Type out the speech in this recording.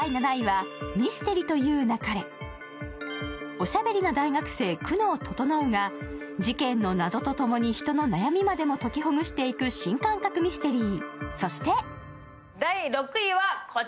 おしゃべりな大学生、久能整が事件の謎ともに人の悩みまでも解きほぐしていく新感覚ミステリー。